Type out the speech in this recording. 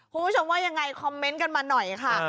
คุณผู้ชมว่ายังไงคอมเมนต์กันมาหน่อยค่ะ